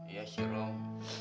iya sih rum